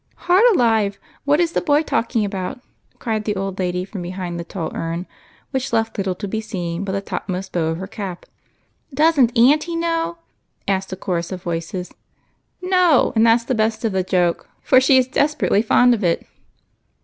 " Heart alive ! what is the boy talking about ?" cried the old lady from behind the tall urn, which left little to be seen but the topmost bow of her cap. " Does n't auntie know ?" asked a chorus of voices. " No ; and that 's the best of the joke, for she is desperately fond of it."